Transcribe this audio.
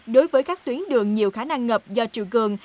đối với các tuyến đường nhiều khả năng ngập do triều cường